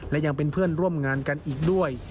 และยังเป็นเพื่อนร่วมงานกันอีกด้วย